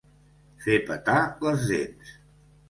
Fer petar les dents.